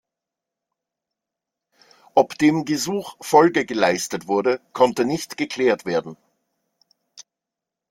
Ob dem Gesuch Folge geleistet wurde, konnte nicht geklärt werden.